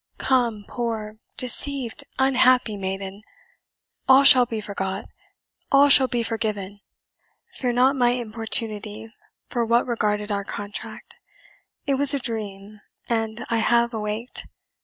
Come, poor, deceived, unhappy maiden! all shall be forgot all shall be forgiven. Fear not my importunity for what regarded our contract it was a dream, and I have awaked.